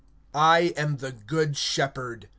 (11)I am the good shepherd.